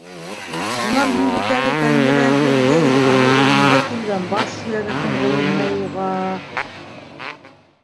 Унан һуң бит әле Тәңребирҙе йылғаһы үрендә күргән баш һөйәге тынғы бирмәй уға...